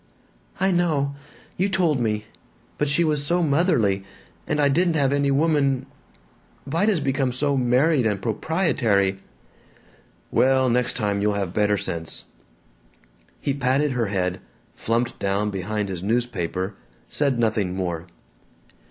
"I know. You told me. But she was so motherly. And I didn't have any woman Vida 's become so married and proprietary." "Well, next time you'll have better sense." He patted her head, flumped down behind his newspaper, said nothing more.